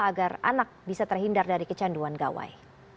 agar anak bisa terhindar dari kecanduan gawai